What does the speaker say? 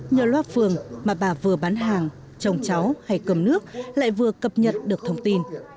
nhờ loa phường mà bà vừa bán hàng chồng cháu hay cầm nước lại vừa cập nhật được thông tin